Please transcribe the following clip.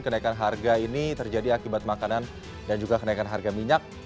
kenaikan harga ini terjadi akibat makanan dan juga kenaikan harga minyak